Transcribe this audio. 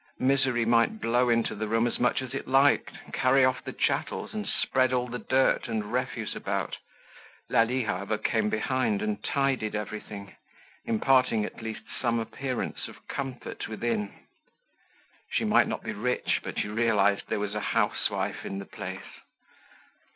Misery might blow into the room as much as it liked, carry off the chattels and spread all the dirt and refuse about. Lalie, however, came behind and tidied everything, imparting, at least, some appearance of comfort within. She might not be rich, but you realized that there was a housewife in the place.